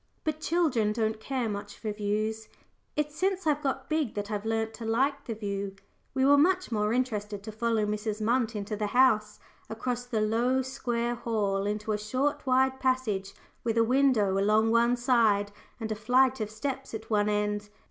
But children don't care much for views it's since I've got big that I've learnt to like the view we were much more interested to follow Mrs. Munt into the house, across the low square hall into a short wide passage, with a window along one side, and a flight of steps at one end.